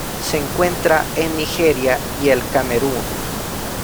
Se encuentra en Nigeria y el Camerún.